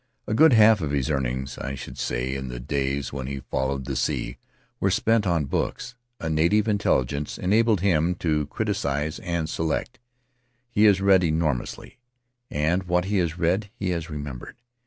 A good half of his earnings, I should say, in the days when he followed the sea, were spent on books; a native intelligence enabled him to criticize and select; he has read enor mously, and what he has read he has remembered.